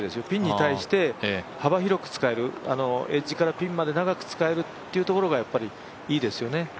ピンに対して幅広く使えるエッジからピンまで長く使えるというところがいいですよね。